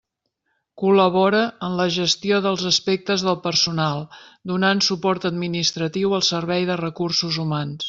Col·labora en la gestió dels aspectes del personal, donant suport administratiu al Servei de Recursos Humans.